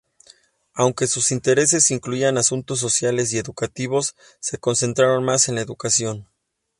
Aunque sus intereses incluían asuntos sociales y educativos, se concentraron más en la educación.